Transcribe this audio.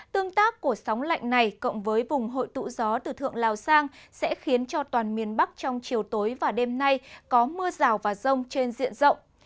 tương tác của sóng lạnh này cộng với vùng hội tụ gió từ thượng lào sang sẽ khiến cho toàn miền bắc trong chiều tối và đêm nay có mưa rào và rông trên diện rộng